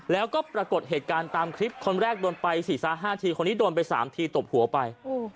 แล้วก็ปรากฏเหตุการณ์ตามคลิปคนแรกโดนไป๔๕ทีคนนี้โดนไป๓ทีตบหัวไป